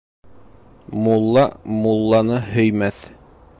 Мулла мулланы һөймәҫ.